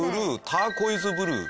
ターコイズブルー。